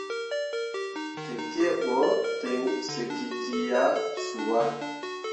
Tekie ɓo ten sǝkikki ah zu yah.